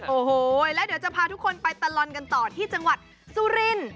โอ้โหแล้วเดี๋ยวจะพาทุกคนไปตลอดกันต่อที่จังหวัดสุรินทร์